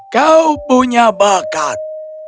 kau punya bakat